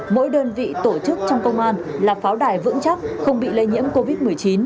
mỗi đơn vị tổ chức trong công an là pháo đài vững chắc không bị lây nhiễm covid một mươi chín